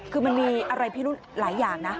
คือมันมีอะไรพิรุธหลายอย่างนะ